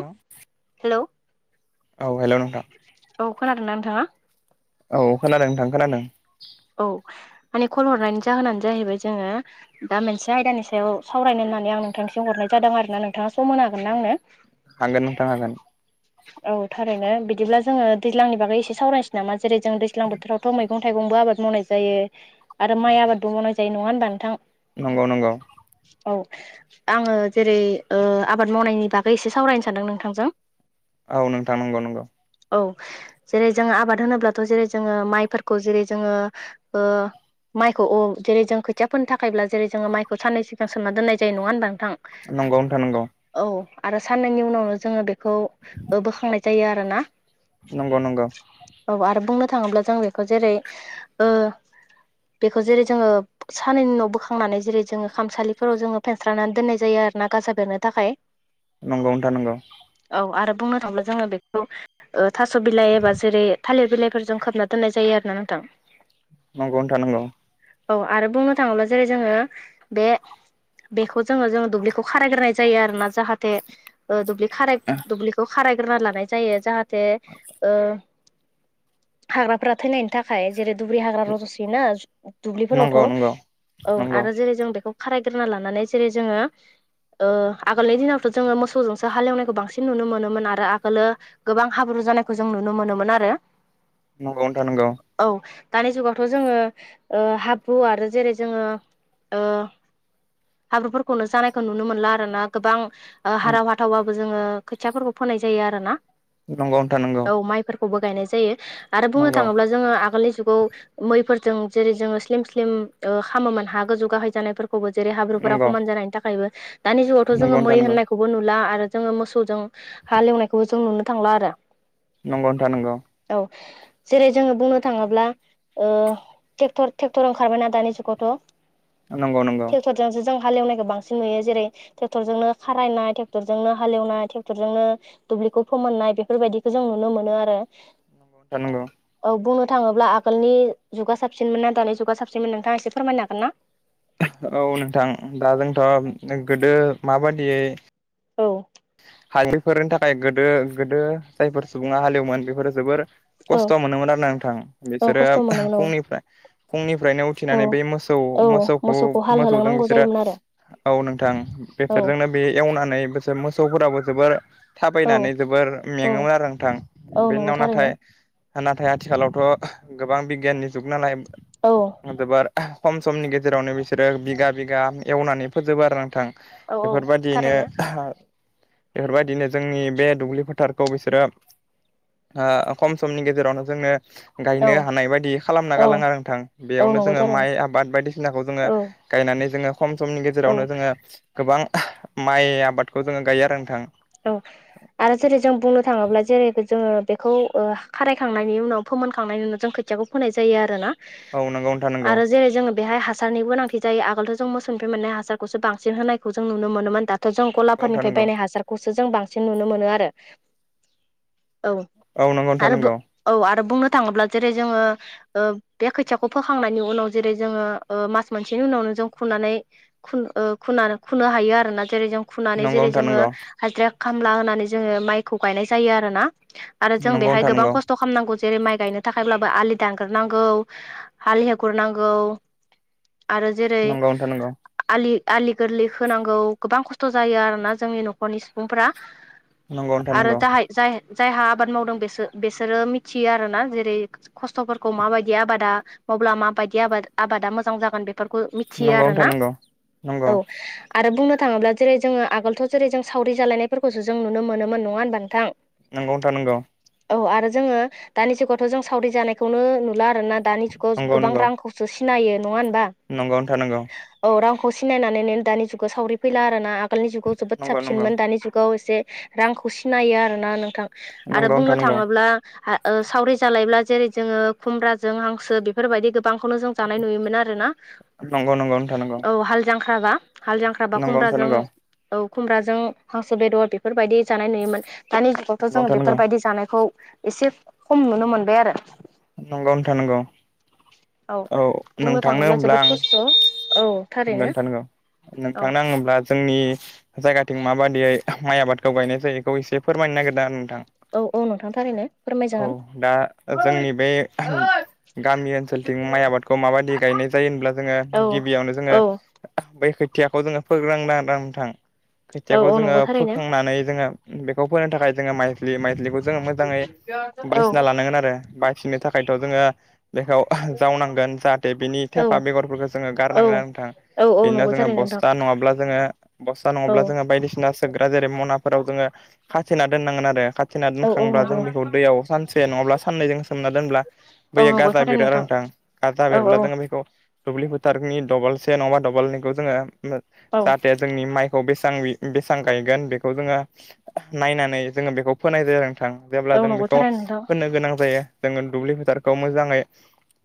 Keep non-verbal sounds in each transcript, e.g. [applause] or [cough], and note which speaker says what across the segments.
Speaker 1: हेल
Speaker 2: hello
Speaker 1: औ hello नोंथां।
Speaker 2: औ खोनादों ना नोंथाङा।
Speaker 1: औ खोनादोंथां खोनादों।
Speaker 2: औ माने कल हरनायनि जाहोनानो जाहैबाय जोङो दा मोनसे आयदानि सायाव सावरायनो होननानै आं नोंथांनिसिम हरनाय जादों आर ना नोंथाङा सम मोन हागोननाा आंनो?
Speaker 1: हागोन नोंथां हागोन।
Speaker 2: [inaudible] औ थारैनो बिदिब्ला जोङो दैज्लांनि बागै एसे सावरायसै नामा जेरै जों दैजां बोथोरावथ' मैगं थाइगंबो आबाद मावनाय जायो आरो माइ आबादबो मावनाय जायो नङा होनबा नोंथां।
Speaker 1: नंगौ नंगौ।
Speaker 2: औ। आङो जेरै आबाद मावनायनि बागै एसे सावरायनो सानदों नोंथांजों।
Speaker 1: औ नोंथां नंगौ नंगौ।
Speaker 2: औ जेरै जोंङ आबाद होनोब्लाथ' जेरै जोङो माइफोरखौ जेरै जोङो ओ माइखौ अ जेरै जों खोथियाफोरोननो थाखायब्ला जेरै जोङो माइखौ साननै सिगां सोमना दोननाय जायो नङा होनबा नोंथां।
Speaker 1: नंगौनोथा नंगौ
Speaker 2: औ आरो साननैनि उनावनो जोङो बेखौ बोखांनाय जायो आरोोना
Speaker 1: नंगौ नंगौ
Speaker 2: औ आरो बुंनो थाङोब्ला जों बेखौ जेरै ओ बेखौ जेरै जोङो सानैनैनि नन' बोखांनानै जेरै जोङो खामसालिफोराव जोङो फेनस्रनानै दोननाय जायो आर ना गाजा बेरनो थाखाय। [unintelligible]
Speaker 1: नंगौ नथा नांगौ।
Speaker 2: औ आरो बुंनो थांब्ला जोङो बेखौ थास' बिलाइ एबा जेरै थालिर बिलाइफोरजों खोबना दोननाय जायो आरो ना नोंथां
Speaker 1: नंगौ नोंथां नंगौ।
Speaker 2: औ आरो बुंनो थाङोब्ला जेरै जोङो बे बेखौ जोङो जोङो दुब्लिखौ खारायग्रोनाय जायो आरो ना जाहाथे ओ दुब्लि खाराय दुब्लिखौ खारायग्रोना लानाय जायो जाहाथे ओ हाग्राफोरा थैनायनि थाखाय जेरै दुबुरि हाग्रा रजसि ना दुब्लिफोरावथ'
Speaker 1: नंगौ नोंथां
Speaker 2: औ
Speaker 1: नंगौ
Speaker 2: आरो जेरै जों बेखौ खारायग्रोना लानानै जेरै जोङो ओ आगोलनि दिनावथ' जोङो मोसौजोंसो हालेवनायखौ बांसिन नुनो मोनोमोन आरो आगोलो गोबां हाब्रु जानायखौ जों नुनो मोनोमोन आरो।
Speaker 1: नंगौ नोंथां नोंगौ।
Speaker 2: औ दानि जुगावथ' जोङो ओ हाब्रु आरो जेरै जोङो हाब्रुफोरखौनो जानायखौ नुनो मोनला आरो ना गोबां हाराव हाथावबाबो जोङो खोथियाफोरखौ फोनाय जायो आरोना
Speaker 1: नंगौ नोंथां नंगौ
Speaker 2: औ माइफोरखौबो गायनाय जायो आरो
Speaker 1: नंगौ नोंथां नंगौ नोंथां नंगौ नोंथां नंगौ
Speaker 2: बुंनो थाङोब्ला जोङो आगोलनि मैफोरजों जेरै जोङो स्लिम स्लिम खामोमोन हा गोजौ गाहाय जानायफोर जेरै हाब्रुफोरा खमान जानायनि थाखायबो दानि जुगावथ' जोङो मै होननाय खौबो नुला आरो जोङो मोसौजों हा लोंनायखौबो जों नुनो थांला आरो।
Speaker 1: नंगौ नथा नोंगौ।
Speaker 2: औ जेरै जोङो बुंनो थाङोब्ला ओ ट्रेक्टर ट्रेक्टर ओंखारबाय ना दानि जुगावथ'
Speaker 1: नंगौ नंगौ
Speaker 2: जोंसो जों हालएवनायखौ बांसिन नुयो जेरै ट्रेक्टरजोंनो खारायनाय ट्रेक्टरजोंनो हालेवनाय ट्रेक्टरजोंनो दुब्लिखौ फोमोननाय बेफोरबायदिखौ जों नुनो मोनो आरो।
Speaker 1: नोंगौ
Speaker 2: औ बुंनो थाङोब्ला आगोलनि जुगा साबसिनमोन ना दानि जुगा साबसिनमोन नोंथाङा एसे फोरमायनो हागोन ना।
Speaker 1: औ नोंथां दा जोंथ' गोदो माबादियै
Speaker 2: औ
Speaker 1: हालैफोरनि थाखाय गोदो गोदो जायफोर सुबुङा हालेवोमोन बेफोरो जोबोर
Speaker 2: औ
Speaker 1: खस्थ' मोनोमोन आरो ना नोंथां
Speaker 2: औ
Speaker 1: बिसोरो
Speaker 2: खस्थ' मोनोमोन औ
Speaker 1: फुंनिफ्राय फुंनिफ्रायनो
Speaker 2: औ
Speaker 1: खिनानै बे मोसौ
Speaker 2: औ
Speaker 1: मोसौखौ
Speaker 2: हाल
Speaker 1: मोसौजों
Speaker 2: होलांनांगौ
Speaker 1: बिसोरो
Speaker 2: जायोमोन आरो
Speaker 1: औ नोंथां
Speaker 2: औ
Speaker 1: बेसोरजोंनो बे एवनानै बेसोर मोसौफोराबो जोबोर
Speaker 2: औ
Speaker 1: थाबायनानै जोबोर
Speaker 2: औ
Speaker 1: मेङोमोन आरो नोंथां
Speaker 2: औ
Speaker 1: बे
Speaker 2: नंगौ
Speaker 1: उनाव
Speaker 2: थारैनो
Speaker 1: नाथाय नाथाय आथिखालावथ' गोबां बिगियाननि जुग नालाय
Speaker 2: औ
Speaker 1: जोबोर खम समनि गेजेरावनो बिसोरो बिगा बिगा एवनानै फोजोबो आरो नोंथां।
Speaker 2: औ औ
Speaker 1: बेफोरबादियैनो
Speaker 2: थारैनो
Speaker 1: बेफोरबायदिनो जोंनि बे दुब्लि फोथारखौ बिसोरो ओ खम समनि गेजेरावनो जोङो
Speaker 2: औ
Speaker 1: गायनो हानाय बायदि खालामना
Speaker 2: औ
Speaker 1: गालाङो आरो नोंथां
Speaker 2: औ
Speaker 1: बेयावनो
Speaker 2: नंगौ
Speaker 1: जोङो
Speaker 2: थारैनो
Speaker 1: माइ आबाद बायदिसिनाखौ जोङो
Speaker 2: औ
Speaker 1: गायनानै जोङो खम समनि
Speaker 2: औ
Speaker 1: गेजेरावनो जोङो गोबां माइ आबादखौ जोङो गायो आरो नोंथां।
Speaker 2: औ आरो जेरै जों बुंनो थाङोब्ला जेरै जोङो बेखौ खारायखांनायनि उनाव फोमोनखांनायनि उनाव जों खो खोथियाखौ फोननाय जायो आरो ना
Speaker 1: औ नंगौ नोंथां नंगौ
Speaker 2: आरो जेरै जो बेहाय हासारनि गोनांथि जायो आगोलथ' जों मोसौनिफ्राय मोननाय हासारखौसो बांसिन होनायखौ जों नुनो मोनोमोन दा जों
Speaker 1: नंगौ नोंथां
Speaker 2: गलाफोरनिफ्राय
Speaker 1: नंगौ
Speaker 2: बायनाय हासारखौसो जों बांसिन नुनो मोनो आरो औ
Speaker 1: नंगौ नोंथां
Speaker 2: आरो औ आरो बुंनो थाङोब्ला जेरै जोङो बे खोथियाखौ फोखांनायनि उनाव जेरै जोङो मास मोनसेनि उनावनो जों खुरनानै [unintelligible] हायो आरोना जेरै जों फुनानै जेरै जोङो
Speaker 1: नंगौ
Speaker 2: हाजिरा खामला होनानै जोङो माइखौ गायनाय जायो आरो ना आरो जों
Speaker 1: नंगौ
Speaker 2: बेहाय
Speaker 1: नोंथां
Speaker 2: गोबां
Speaker 1: नंगौ
Speaker 2: खस्थ' खालामनांगौ जेरै माइ गायनो थाखायब्लाबो आलि दानग्रोनांगौ हाल हेवग्रो नांगौ आरो जेरै
Speaker 1: नंगौ नोंथां नंगौ
Speaker 2: आलि आलि गोरलै होनांगौ गोबां खस्थ' जायो आरोना जोंनि न'खरनि सुबुंफ
Speaker 1: नंगौ नोंथां
Speaker 2: आरो
Speaker 1: नंगौ
Speaker 2: जाय जाय जायहा आबाद मावदों बेसो बेसोरो मिथियो आरो ना जेरै खस्थ'फोरखौ माबायदि आबादा मावब्ला माबायदि आबाद आबादा मोजां जागोन बेफोरखौ मि थियो
Speaker 1: नंगौ
Speaker 2: आरोना
Speaker 1: नोंथां
Speaker 2: औ आरो बुंनो थाङोब्ला जेरै जोङो आगोलथ' जेरै जों सावरि जालायनायफोरखौसो जों नुनो मोनोमोन नङा होनबा नोंथां
Speaker 1: [unintelligible]
Speaker 2: औ आरो जोङो दानि जुगावथ' जों सावरि जानायखौनो नुला आरोना दानि जुगाव गोबां रांखौसो सिनायो नङा होनबा
Speaker 1: नंगौ नोंथां नंगौ
Speaker 2: औ रांखौ सिनायनानै दानि जुगाव सावरि फैला आरो ना आगोलनि जुगाव जोबोद साब
Speaker 1: नंगौ नंगौ नोंथां
Speaker 2: दानि जुगाव एसे रांखौ सिनायो आरोना नोंथां
Speaker 1: नंगौ
Speaker 2: आरो
Speaker 1: नंगौ नोंथां
Speaker 2: बुंनो
Speaker 1: नंगौ
Speaker 2: थाङोब्ला सावरि जालायब्ला जेरै जोङो खुमब्राजों हांसो बेफोरबायदि गो [unintelligible] जों जानाय नुयोमोन आरो ना
Speaker 1: नंगौ नंगौ नोंथां नंगौ नोंथां नंगौ
Speaker 2: औ हाल जांख्राबा हाल जांख [unintelligible]
Speaker 1: नंगौ नोंथां नंगौ
Speaker 2: खुमब्राजों खुमब्राजों हांसो बेदर बेफोरबायदि जानाय नुयोमोन दानि जुगावथ'
Speaker 1: नंगौ
Speaker 2: जों
Speaker 1: नोंथां नंगौ
Speaker 2: बेफोरबायदि जानायखौ एसे खम नुनो मोनबाय आरो
Speaker 1: नंगौ नोंथां नंगौ
Speaker 2: औ बुंनो
Speaker 1: नोंथांनो
Speaker 2: थाङोब्ला
Speaker 1: होमब्ला
Speaker 2: जोबोद
Speaker 1: आं
Speaker 2: खस्थ' औ
Speaker 1: [unintelligible]
Speaker 2: थारैनो
Speaker 1: जोंनि
Speaker 2: औ
Speaker 1: जायगाथिं माबादियै माइ आबादखौ गायनाय जायो बेखौ एसे फोरमायनो नागिरदों आरो नोंथां
Speaker 2: औ औ नोंथां थारैनो फोरमायजागोन
Speaker 1: औ दा जोंनि बे गामि ओनसोलथिं माइ आबादखौ माबायदि गायनाय जायो होनब्ला जोङो
Speaker 2: औ
Speaker 1: गिबियावनो
Speaker 2: औ
Speaker 1: बै खोथियाखौ जोङो फोग्रोनांगोन आरोना नोंथां
Speaker 2: औ
Speaker 1: खोथियाखौ
Speaker 2: औ
Speaker 1: जोङो
Speaker 2: नंगौ थारैनो
Speaker 1: फोखांनानै जोङो बेखौ फोनो थाखाय जोङो माइज्लि माइज्लिखौ जोङो मोजाङै
Speaker 2: औ
Speaker 1: बासिना लानांगोन आरो बासिनो थाखायथ' जोङो बेखौ जावनांगोन जाहाथे बिनि थेफा बेगरफोरखौ जोङो
Speaker 2: औ
Speaker 1: गारनांगोन
Speaker 2: औ औ
Speaker 1: बिदिनो
Speaker 2: नंगौ
Speaker 1: जोङो
Speaker 2: थारैनो नोंथां
Speaker 1: बस्था नङाब्ला जोङो बस्था
Speaker 2: औ
Speaker 1: नङाब्ला जोङो बायदिसिना जेरै मनाफोराव जोङो खाथिना दोननांगोन आरो खाथिना
Speaker 2: औ औ
Speaker 1: दोनखांब्ला जों
Speaker 2: नंगौ
Speaker 1: बेखौ दैयाव सानसे नङाब्ला साननै जों सोमना दोनोब्ला
Speaker 2: औ
Speaker 1: बैयो
Speaker 2: नंगौ
Speaker 1: गाजा
Speaker 2: थारैनो
Speaker 1: बिरो आरो नोंथां गाजा
Speaker 2: औ
Speaker 1: बेरब्ला
Speaker 2: औ
Speaker 1: जोङो बेखौ दुब्लि फोथारनि दबलसे नङाबा दबलनैखौ जोङो
Speaker 2: औ
Speaker 1: जाहाथे जोंनि माइखौ बेसेबां बेसेबां गायगोन बेखौ जोङो नायनानै जोङो बेखौ फोनाय जायो नोंथां जेब्ला
Speaker 2: औ
Speaker 1: जों
Speaker 2: नंगौ
Speaker 1: बेखौ
Speaker 2: थारैनो नोंथां
Speaker 1: फोनो गोनां जायो जोङो दुब्लि फोथारखौ मोजाङै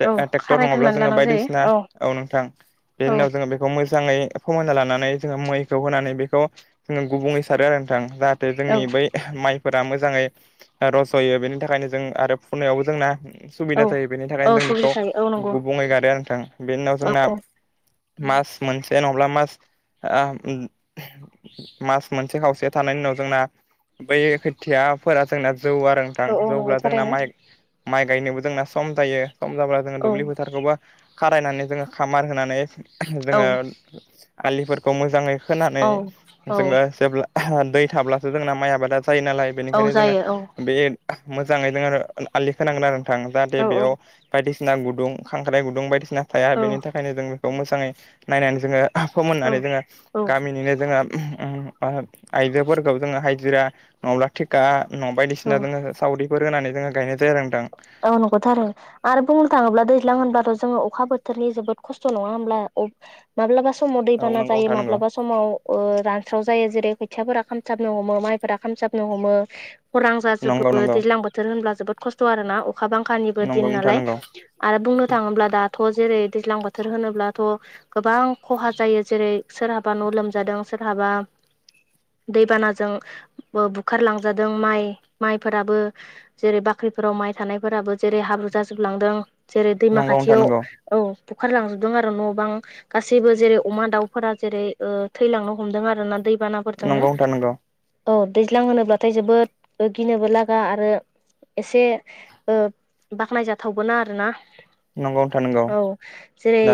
Speaker 2: औ
Speaker 1: ट्रेक्टर नङाब्ला
Speaker 2: खारायग्रोनानै
Speaker 1: जोङो
Speaker 2: लानांगौ जायो
Speaker 1: बायदिसिना औ नोंथां बेनि
Speaker 2: औ
Speaker 1: उनाव जोङो बेखौ मोजाङै फोमोनना लानानै जोङो मैखौ होनानै बेखौ जोङो गुबुंङै सारो आरो नोंथां जाहाथे
Speaker 2: औ
Speaker 1: जोंनि बै माइफोरा मोजाङै रज'यो बेनि थाखायनो जों आरो फुनायावबो जोंना सुबिदा
Speaker 2: औ
Speaker 1: जायो बेनि थाखायनो
Speaker 2: औ
Speaker 1: जों
Speaker 2: सुग्रि
Speaker 1: बेखौ
Speaker 2: थायो औ नंगौ
Speaker 1: गुबुंङै गायो आरो नोंथां बेनि उनाव
Speaker 2: औ
Speaker 1: जोंना
Speaker 2: औ
Speaker 1: मास मोनसे नङाब्ला मास मास मोनसे खावसे थानायनि उनाव जोंना बै खोथियाफोरा जोंना जौवो आरो थां।
Speaker 2: औ औ नंगौ
Speaker 1: जौब्ला जोंना
Speaker 2: थारैनो
Speaker 1: माइ माइ गायनोबो जोंना सम जायो। सम जाब्ला जोना
Speaker 2: औ
Speaker 1: दुब्लि फोथारखौबो खारायनानै जोङो खामार होनानै
Speaker 2: औ
Speaker 1: जोङो आलिफोर खौ मोजाङै खोनानै
Speaker 2: औ औ
Speaker 1: जोङो जेब्ला दै थाब्लासो जोंना माइ आबादा जायो नालाय।
Speaker 2: औ
Speaker 1: बेनिखायनो जोङो
Speaker 2: जायो औ
Speaker 1: बे मोजाङै जोङो आलि खोनांगोन आरो नोंथां जाहाथे
Speaker 2: औ
Speaker 1: बेयाव बायदिसिना गुदुं खांख्राइ गुदुं बायदिसिना थाया
Speaker 2: औ
Speaker 1: बेनि थाखायनो जों बेखौ मोजाङै नायनानै जोङो फोमोननानै जोङो
Speaker 2: औ औ
Speaker 1: गामिनिनो जोङो आइजोफोरखौ जोङो हाजिरा नङाब्ला थिखा नंङा
Speaker 2: औ
Speaker 1: बायदिसिना जोङो सावरिफोर होनानै जोङो गायनाय जायो आरो नोथां।
Speaker 2: औ नंग' थारैनो। आरो बुंनो थाङोब्ला दैज्लां होनबाथ' जोङो अखा बोथोरनि जोबोद खस्थ' नङा होमब्ला। अब माब्लाबा समाव
Speaker 1: औ
Speaker 2: दैबाना
Speaker 1: नंगौ
Speaker 2: जायो,
Speaker 1: नोंथां नंगौ
Speaker 2: माब्लाबा सम समाव रानस्राव जायो जेरै खोथियाफोरा खामथाबनो हमो माइफोरा खामसाबनो हमो। खरां
Speaker 1: नंगौ
Speaker 2: जाजोबो
Speaker 1: नंगौ
Speaker 2: दैज्लां बोथोर होनब्ला जोबोद खस्थ' आरो ना अखा बांखानिबो दिन
Speaker 1: नंगौ नोंथां
Speaker 2: नालाय।
Speaker 1: नंगौ
Speaker 2: आरो बुंनो थाङोब्ला दाथ' जेरै दैज्लां बोथोर होनोब्लाथ' गोबां खहा जायो जेरै सोरहाबा न' लोमजादों सोरहाबा दैबानाजों बुखारलांजादों माइ माइफोराबो जेरै बा ख्रिफोराव माइ थानायफोराबो जेरै हाब्रु जाजोबलांदों। जेरै दैमा
Speaker 1: नंगौ नोंथां
Speaker 2: खाथियाव
Speaker 1: नंगौ
Speaker 2: औ बुखारलांजोबदों आरो न' बां गासैबो जेरै अमा दाउफोरा जेरै ओ थैलांनो हमदों आरोना दैबाना फोरजोंनो।
Speaker 1: नंगौ नोंथां नंगौ
Speaker 2: औ दैज्लां होनोब्लाथाय जोबोद गिनोबो लागा आरो एसे ओ बाख्नायजाथावबोना आरोना।
Speaker 1: नंगौ नोंथां नंगौ
Speaker 2: औ जेरै
Speaker 1: दा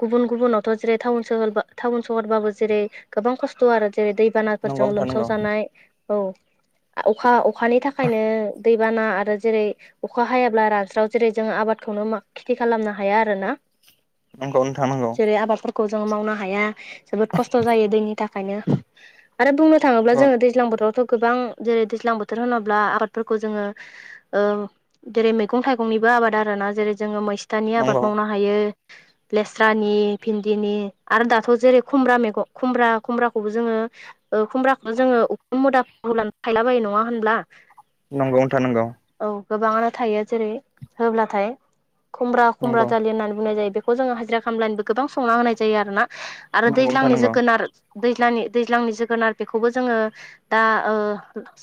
Speaker 2: गुबुन गुबुनावथ' जेरै टाउन सहर बा टाउन सोहरबाबो जेरै गोबां खस्थ' आरो जेरै दै दै
Speaker 1: नंगौ
Speaker 2: बानाफोरजों
Speaker 1: नोंथां
Speaker 2: लोमसाव
Speaker 1: नंगौ
Speaker 2: जानाय औ अखा अखानि थाखायनो दैबाना आरो जेरै अखा हायाब्ला रानस्राव जेरै जों आबादखौनो खेथि खालामनो हाया आरोना।
Speaker 1: नंगौ नोंथां नंगौ
Speaker 2: जेरै आबादफोर खौ जों मावनो हाया जोबोद खस्थ' जायो दैनि थाखायनो आरो बुंनो थाङोब्ला जोङो दैज्लां बोथोरावथ' गोबां जेरै दैज्लां बोथोर होनोब्ला आबादफोरखौ खौ जोङो ओ जेरै मैगं थाइगंनिबो आबाद आरोना। जेरै जोंङो मै थानि
Speaker 1: नंगौ
Speaker 2: आबाद मावनो हायो। लेस्रानि भिन्दिनि आरो दाथ' जेरै खुमब्रा मैगं खुमब्रा खुमब्राखौबो जोङो ओ खुमब्राखौथ' जोङो उखुम मुदा होब्लानो थायला बायो नङा होनब्ला?
Speaker 1: नंगौ नोंथां नंगौ।
Speaker 2: औ गोबाङानो थायो जेरै होब्लाथाय खुमब्रा खुमब्रा
Speaker 1: नंगौ
Speaker 2: जालि होननानै बुंनाय जायो बे खौ जोङो हाजिरा खामलानोबो गोबां संना होनाय जायो आरोना आरो
Speaker 1: नंगौ नोंथां
Speaker 2: दैज्लांनि जोगोनार दैज्लांनि दैज्लांनि जोगोनार बेखौबो जोङो दा ओ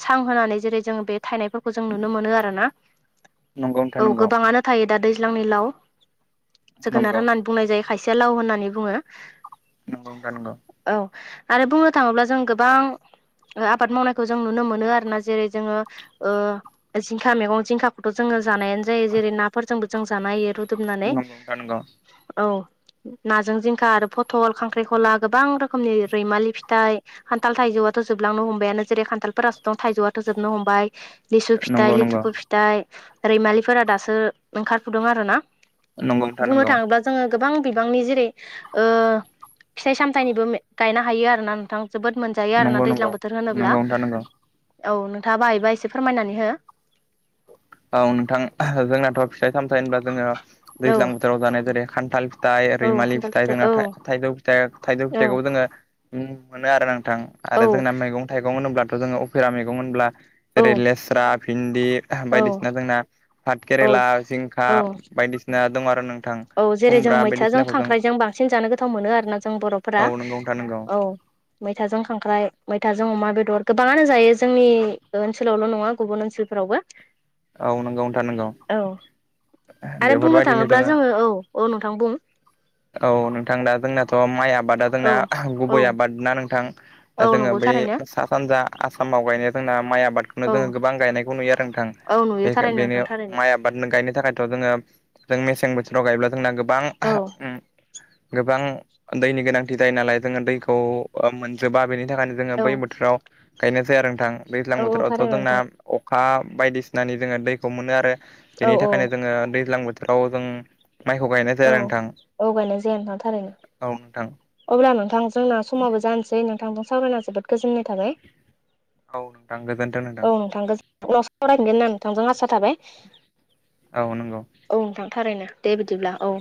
Speaker 2: सां होनानै जेरै जोङो बे थायनायफोरखौ जों नुनो मोनो आरोना। औ
Speaker 1: नंगौ
Speaker 2: गोबाङानो थायो दा दैज्लांनि लाव जोगोनार
Speaker 1: नंगौ
Speaker 2: होननानै बुंनाय जायो खायसेया लाव होननानै बुङो।
Speaker 1: नंगौ नोंथां नगौ।
Speaker 2: औ आरो बुंनो थाङोब्ला जों गोबां ओ आबाद मावनायखौ जों नुनो मोनो आरोना। जेरै जोङो ओ जिंखा मैगं जिंखाखौथ' जोङो जानायानो जायो जेरै नाफोरजोंबो जों जानाय हायो। रु दबनानै
Speaker 1: नंगौ नंगौ नोंथां
Speaker 2: औ। नाजों जिंखा आरो फथल, खांख्रिखला गोबां रोखोमनि रैमालि फिथाइ खान्थाल थाइजौआथ' जोबलांनो हमबायानो जेरै खान्थालफोरासो दं थाइजौआथ' जोबनो हमबाय। लिसु
Speaker 1: नंगौ
Speaker 2: फिथाइ
Speaker 1: नोंथां
Speaker 2: लिथुखु फिथाइ रैमालिफोरा दासो ओंखारफुदों आरोना। बुंनो
Speaker 1: नंगौ
Speaker 2: थाङोब्ला जोङो गोबां बिबांनि जेरै ओ फिथाइ सामथाइनिबो गायनो हायो आरोना नोंथां। जोबोद मोनजायो आरोना
Speaker 1: नंगौ नंगौ नोंथां नंगौ
Speaker 2: दैज्लां
Speaker 1: नंगौ
Speaker 2: बोथोर होनोब्ला
Speaker 1: नोंथां नंगौ
Speaker 2: औ नोंथाङा बाहायोबा एसे फोरमायनानै हो।
Speaker 1: औ नोंथां जोंनाथ' फिथाइ सामथाइ होनबा जोङो
Speaker 2: औ
Speaker 1: दैज्लां बोथोराव जानाय जेरै खान्थाल फिथाइ
Speaker 2: औ
Speaker 1: रैमालि
Speaker 2: खान्थाल
Speaker 1: फिथाइ जोंना
Speaker 2: औ
Speaker 1: थाइजौ फिथाइ थाइजौ
Speaker 2: औ
Speaker 1: फिथाइखौबो जोङो नुनो मोनो आरोना नोंथां
Speaker 2: औ
Speaker 1: आरो जोंना मैगं थाइगं होनोब्लाथ' जोङो अफेरा मैगं होनब्ला जेरै
Speaker 2: औ
Speaker 1: लेस्रा भिन्दि बायदि ना जोंना पाथ
Speaker 2: औ
Speaker 1: केरेला जिंखा बायदिसिना दं आरो नोंथां।
Speaker 2: औ जेरै जों
Speaker 1: खुमब्रा
Speaker 2: मैथाजों
Speaker 1: बायदिसिनाखौ जों
Speaker 2: खांख्राइजों बांसिन जानो गोथाव मोनो आरोना जों बर'फोरा।
Speaker 1: औ नंगौ नोंथां नंगौ
Speaker 2: औ मैथाजों खांख्राइ मैथाजों अमा बेदर गोबाङानो जायो जोंनि ओनसोलावल' नङा गुबुन ओनसोलफोरावबो। [unintelligible]
Speaker 1: औ नंगौ नोंथां नंगौ।
Speaker 2: औ आरो बुंनो
Speaker 1: बेफोरबायदिनो
Speaker 2: थाङोब्ला
Speaker 1: जोङो
Speaker 2: औ औ नोंथां बुं।
Speaker 1: औ नोंथां दा जोंनाथ' माइ आबादा जोंना
Speaker 2: औ औ
Speaker 1: गुबै आबाद ना नोंथां। दा
Speaker 2: औ
Speaker 1: जोङो
Speaker 2: नंगौ
Speaker 1: बै
Speaker 2: थारैनो
Speaker 1: सा सानजा आसामाव गायनाया जोंना माइ आबादखौनो
Speaker 2: औ
Speaker 1: जोङो गोबां गायनायखौ नुयो आरो नोंथां।
Speaker 2: औ नुयो
Speaker 1: [inaudible]
Speaker 2: थारैनो नोंथां
Speaker 1: बेनो
Speaker 2: थारैनो
Speaker 1: माया आबादनो गायनो थाखायथ' जोङो जों मेसें बोथोराव गायोब्ला जोंना गोबां
Speaker 2: औ
Speaker 1: ओम गोबां दैनि गोनांथि जायो नालाय जोङो दैखौ मोनजोबा बेनि थाखायनो जोङो
Speaker 2: औ
Speaker 1: बै बोथोराव गायनाय जाया आरो नोंथां दैज्लां
Speaker 2: औ
Speaker 1: बोथोरावथ'
Speaker 2: थारैनो
Speaker 1: जोंना
Speaker 2: नोंथां
Speaker 1: अखा बायदिसिनानि जोङो दैखौ मोनो आरो
Speaker 2: औ
Speaker 1: बेनि
Speaker 2: औ
Speaker 1: थाखायनो जोङो दैज्लां बोथो राव जों माइखौ गायनाय
Speaker 2: औ
Speaker 1: जायो आरो नोंथां।
Speaker 2: औ गायनाय जाया नोंथां थारैनो।
Speaker 1: औ नोंथां।
Speaker 2: अब्ला नोंथांजोंना समावबो जानोसै नोंथांजों सावरायना जोबोद गोजोननाय थाबाय।
Speaker 1: औ नोंथां गोजोनथों।
Speaker 2: नोंथांखौ [inaudible] [inaudible] आसा थाबाय।
Speaker 1: औ नंगौ।
Speaker 2: औ नोंथांथारैनो दे बिदिब्ला औ।